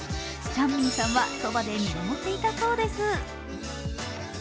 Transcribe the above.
チャンミンさんは、そばで見守っていたそうです。